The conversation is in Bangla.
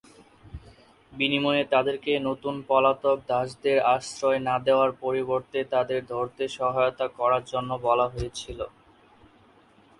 বিনিময়ে তাদেরকে নতুন পলাতক দাসদের আশ্রয় না দেওয়ার পরিবর্তে তাদের ধরতে সহায়তা করার জন্য বলা হয়েছিল।